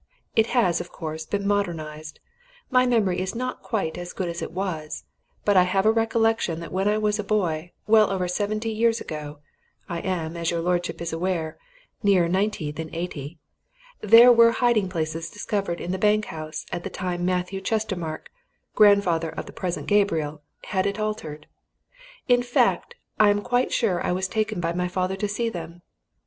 It has, of course, been modernized. My memory is not quite as good as it was, but I have a recollection that when I was a boy, well over seventy years ago I am, as your lordship is aware, nearer ninety than eighty there were hiding places discovered in the bank house at the time Matthew Chestermarke, grandfather of the present Gabriel, had it altered: in fact, I am quite sure I was taken by my father to see them.